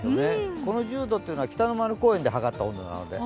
この１０度というのは、公園で測った温度なので。